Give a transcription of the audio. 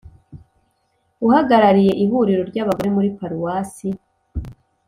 Uhagarariye ihuriro ry’abagore muri Paruwasi